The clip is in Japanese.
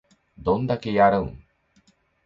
どんだけやるん